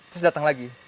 terus datang lagi